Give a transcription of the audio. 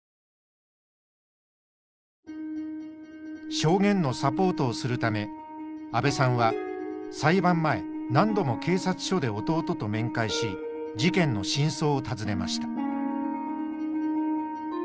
証言のサポートをするため阿部さんは裁判前何度も警察署で弟と面会し事件の真相を尋ねました。